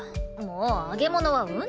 もう揚げ物はうんざり！